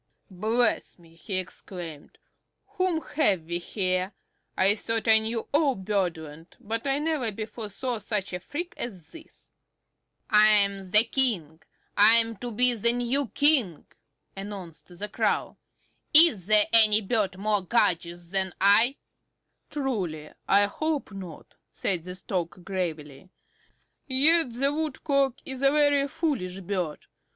"Bless me!" he exclaimed, "whom have we here? I thought I knew all Birdland, but I never before saw such a freak as this!" [Illustration: "Bless me!" he exclaimed, "whom have we here?"] "I am the King. I am to be the new King," announced the Crow. "Is there any bird more gorgeous than I?" "Truly, I hope not," said the Stork gravely. "Yet the Woodcock is a very foolish bird.